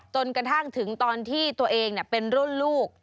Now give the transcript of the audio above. จนกระทั่งถึงตอนที่ตัวเองเป็นรุ่นลูก